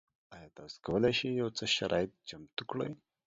ایا تاسو کولی شئ یو څه شرایط چمتو کړئ؟